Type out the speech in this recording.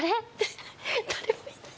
誰もいない